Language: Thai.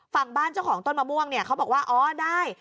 ฝั่งบ้านเจ้าของต้นมะม่วงเนี่ยเขาบอกว่าอ๋อได้